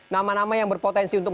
nama nama yang berpotensi untuk